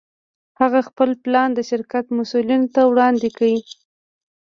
هغه خپل پلان د شرکت مسوولينو ته وړاندې کړ.